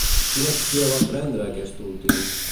Quina acció va prendre aquest últim?